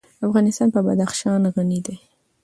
افغانستان په بدخشان غني دی.